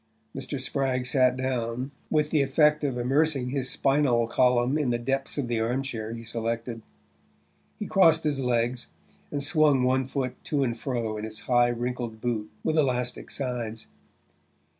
Mr. Spragg sat down, with the effect of immersing his spinal column in the depths of the arm chair he selected. He crossed his legs, and swung one foot to and fro in its high wrinkled boot with elastic sides.